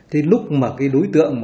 thì lúc mà cái đối tượng